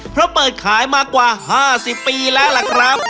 เพราะเปิดขายมากว่า๕๐ปีแล้วล่ะครับ